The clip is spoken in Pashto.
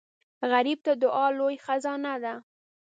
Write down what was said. غریب ته دعا لوی خزانه ده